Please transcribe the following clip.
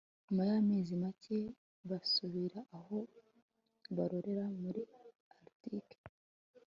nyuma y'amezi make basubira aho bororera muri arctique